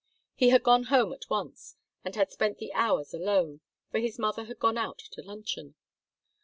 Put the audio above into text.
He had gone home at once, and had spent the hours alone, for his mother had gone out to luncheon.